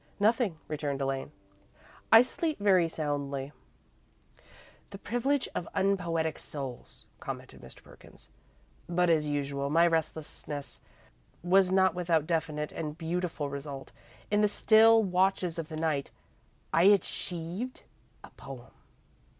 "Nothing," returned Elaine; "I sleep very soundly." "The privilege of unpoetic souls," commented Mr. Perkins. "But, as usual, my restlessness was not without definite and beautiful result. In the still watches of the night, I achieved a poem."